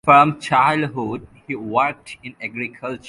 From childhood he worked in agriculture.